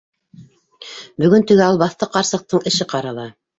Бөгөн теге албаҫты ҡарсыҡтың эше ҡарала.